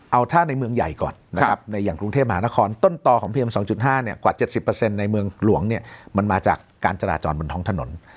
เอาถ้าในเมืองใหญ่ก่อนนะครับในอย่างกรุงเทพมหานครต้นต่อของเพียง๒๕กว่า๗๐ในเมืองหลวงเนี่ยมันมาจากการจราจรบนท้องถนน